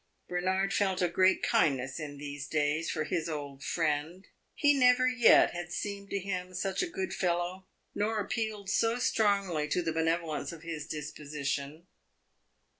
Bernard felt a great kindness in these days for his old friend; he never yet had seemed to him such a good fellow, nor appealed so strongly to the benevolence of his disposition.